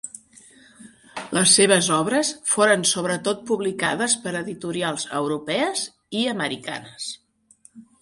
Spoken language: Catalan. Les seves obres foren sobretot publicades per editorials europees i americanes.